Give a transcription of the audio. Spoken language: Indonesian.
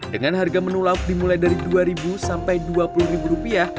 dengan harga menu lauk dimulai dari dua sampai dua puluh rupiah